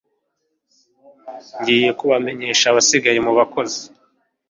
ngiye kubamenyesha abasigaye mu bakozi